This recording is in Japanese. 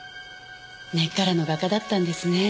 根っからの画家だったんですね。